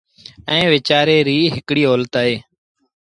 ائيٚݩ ويچآريٚ ريٚ هڪڙي اولت اهي